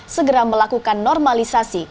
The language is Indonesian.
segera melakukan normalisasi